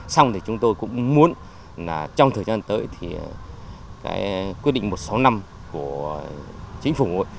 xong thì chúng tôi cũng muốn trong thời gian tới quyết định một sáu năm của chính phủ ngồi